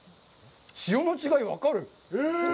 塩の違い、分かる。